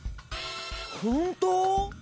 本当？